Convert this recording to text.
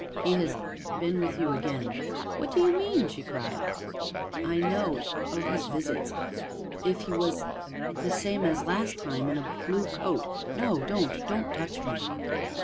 "He has been with you again " "What do you mean?" she cried. "I know of his visits if he was the same as last time in a blue coat no, don't, don't touch me."